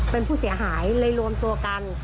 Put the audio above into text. เป็นผู้เสียหายเลยรวมตัวกัน